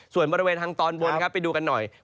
ส่วนบริเวณทางตอนบนครับไปดูกันหน่อย